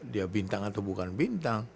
dia bintang atau bukan bintang